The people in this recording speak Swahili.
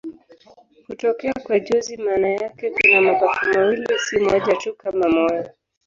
Hutokea kwa jozi maana yake kuna mapafu mawili, si moja tu kama moyo.